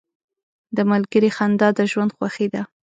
• د ملګري خندا د ژوند خوښي ده.